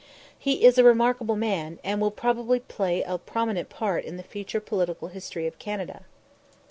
He is a remarkable man, and will probably play a prominent part in the future political history of Canada.